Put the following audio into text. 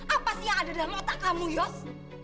apa sih yang ada dalam otak kamu yos